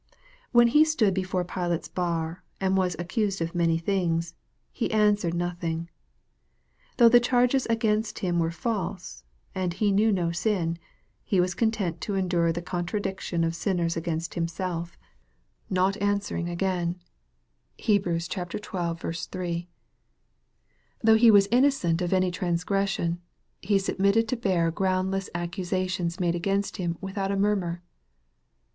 When He stood be fore Pilate's bar, and was "accused of many things," He answered nothing. Though the charges against Him were false, and He knew no sin, He was content to endure the contradiction of sinners against Himself, not answering MARK, CHAP. XV. 337 again. (Heb.xii. 3.) Though he was innocent of any trans gression, He submitted to bear groundless accusations made against Him without a murmur.